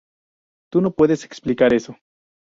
Tú no puedes explicar eso.